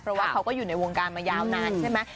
เพราะว่าเขาก็อยู่ในวงการมายาวนานใช่ไหม